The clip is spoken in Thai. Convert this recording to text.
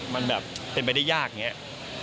มันแบบเป็นไปได้ยากอย่างนี้